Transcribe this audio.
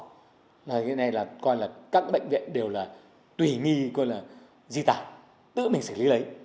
cái này là coi là các bệnh viện đều là tùy nghi coi là di tản tự mình xử lý lấy